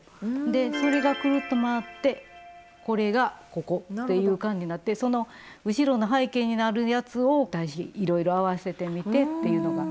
でそれがくるっと回ってこれがここっていう感じになってその後ろの背景になるやつを対比いろいろ合わせてみてというのが。